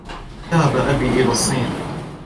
ذهب أبي إلى الصين.